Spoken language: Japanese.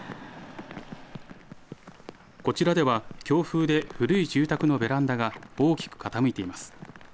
こちらでは、強風で古い住宅のベランダが大きく傾いています。